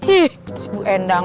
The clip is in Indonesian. ih si bu endang